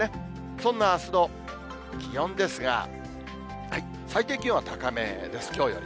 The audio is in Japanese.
そんなあすの気温ですが、最低気温は高めです、きょうより。